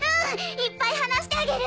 いっぱい話してあげる！